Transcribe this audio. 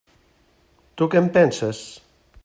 Tu què en penses?